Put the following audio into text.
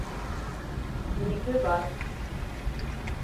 Минеке бар.